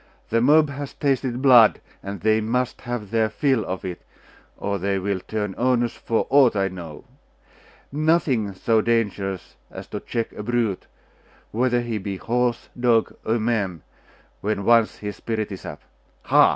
The mob has tasted blood, and they must have their fill of it, or they will turn onus for aught I know. Nothing so dangerous as to check a brute, whether he be horse, dog, or man, when once his spirit is up. Ha!